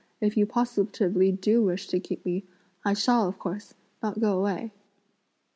If you positively do wish to keep me, I shall, of course, not go away!"